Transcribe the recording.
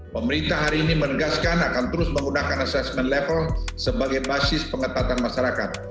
pemerintah hari ini menegaskan akan terus menggunakan assessment level sebagai basis pengetatan masyarakat